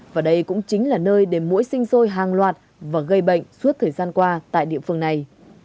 và đây cũng chính là nơi để mũi sinh sôi hàng loạt và gây bệnh suốt thời gian qua tại địa phương này